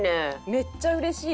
めっちゃうれしい。